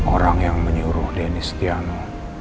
orang yang menyuruh dennis tiano